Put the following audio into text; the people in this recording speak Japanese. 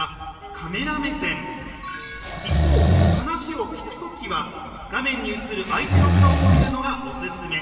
一方話を聞くときは画面に映る相手の顔を見るのがおすすめ。